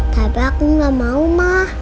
tapi aku nggak mau ma